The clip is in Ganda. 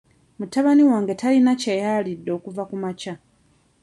Mutabani wange talina kye yaalidde okuva kumakya.